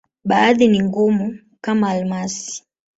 Baadhi ni ngumu, kama almasi.